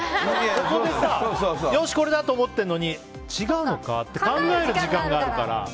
そこでよしこれだって思ってるのに違うのかって考える時間があるから。